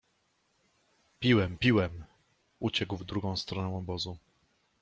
Piłem, piłem! — uciekł w drugą stronę obozu.